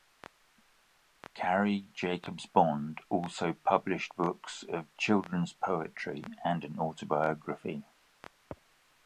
Carrie Jacobs-Bond also published books of children's poetry and an autobiography.